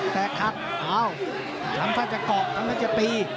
แตกทักอ้าวทั้งท่านจะเกาะทั้งท่านจะตี